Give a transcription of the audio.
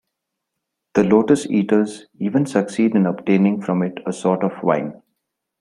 The lotus-eaters even succeed in obtaining from it a sort of wine.